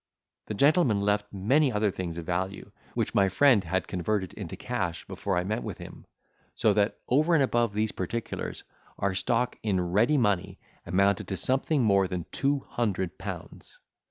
The gentleman left many other things of value, which my friend had converted into cash before I met with him; so that, over and above these particulars, our stock in ready money amounted to something more than two hundred pounds.